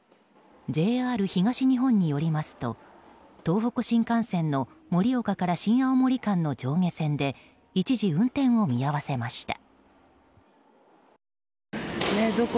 ＪＲ東日本によりますと東北新幹線の盛岡から新青森間の上下線で一時運転を見合わせました。